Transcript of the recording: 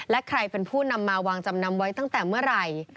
และใครเป็นผู้นำมาวางจำนำไว้ตั้งแต่เมื่อไหร่